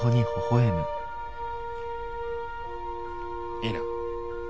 いいな？